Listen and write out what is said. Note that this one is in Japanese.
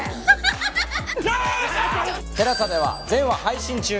ＴＥＬＡＳＡでは全話配信中。